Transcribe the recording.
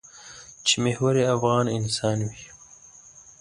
چې محور یې افغان انسان وي.